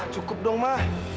cukup dong ma